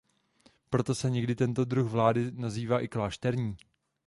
Proto se někdy tento druh vlády nazývá i "klášterní".